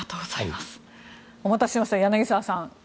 お待たせしました柳澤さん。